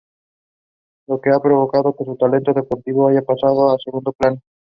Lo que ha provocado que su talento deportivo haya pasado a segundo plano.